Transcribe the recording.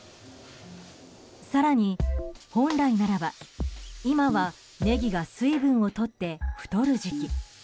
更に、本来ならば今はネギが水分をとって太る時期。